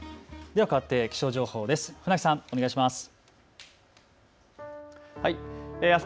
ではかわって気象情報です。